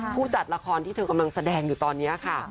ผู้จัดละครที่เธอกำลังแสดงอยู่ตอนนี้ค่ะ